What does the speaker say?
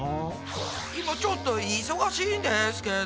今ちょっと忙しいんですけど。